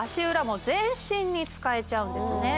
もう全身に使えちゃうんですね